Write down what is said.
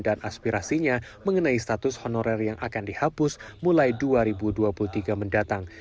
aspirasinya mengenai status honorer yang akan dihapus mulai dua ribu dua puluh tiga mendatang